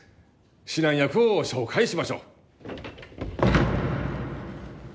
指南役を紹介しましょう。